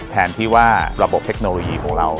แทนที่ว่าระบบเทคโนโลยีของเรา